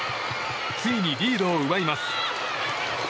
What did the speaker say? ついにリードを奪います。